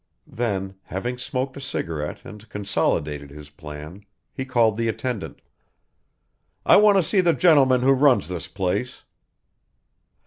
Then, having smoked a cigarette and consolidated his plan, he called the attendant. "I want to see the gentleman who runs this place."